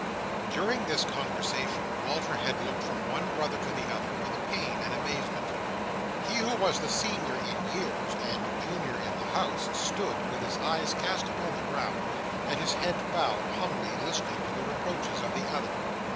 During this conversation, Walter had looked from one brother to the other, with pain and amazement. He who was the Senior in years, and Junior in the House, stood, with his eyes cast upon the ground, and his head bowed, humbly listening to the reproaches of the other.